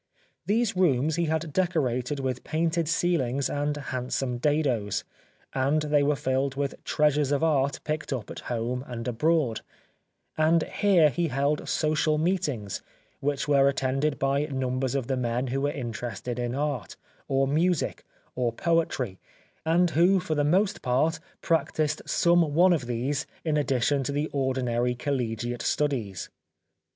These rooms he had decorated with painted ceilings and handsome dados, and they were filled with treasures of art picked up at home and abroad ; and here he held social meet ings, which were attended by numbers of the men who were interested in art, or music, or poetry, and who for the most part practised some one of these in addition to the ordinary collegiate studies."